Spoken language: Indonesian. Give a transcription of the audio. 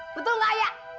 betul gak ayah